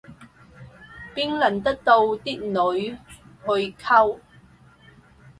邊輪得到啲女去溝